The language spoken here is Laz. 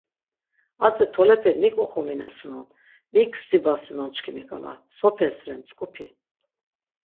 Atzi tolepe mik oxominasunon, mik stibasunon çkimi k̆ala, sopes re mtzk̆upi?